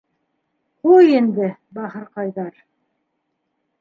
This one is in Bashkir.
— Ҡуй инде, бахырҡайҙар.